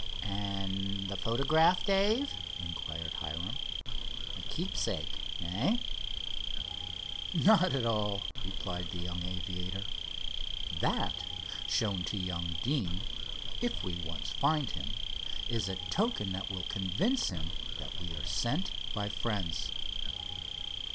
"And the photograph, Dave?" inquired Hiram. "Keepsake, eh?" "Not at all," replied the young aviator. "That, shown to young Deane, if we once find him, is a token that will convince him that we are sent by friends.